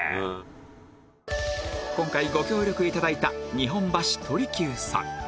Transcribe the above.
今回ご協力頂いた日本橋鳥久さん